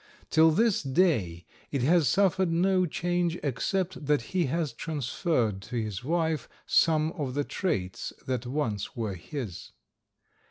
Till this day it has suffered no change except that he has transferred to his wife some of the traits that once were his.